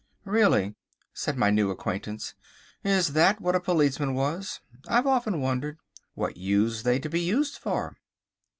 "Really," said my new acquaintance, "is that what a policeman was? I've often wondered. What used they to be used for?"